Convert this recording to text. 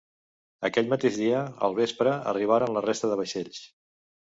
Aquell mateix dia, al vespre, arribaren la resta de vaixells.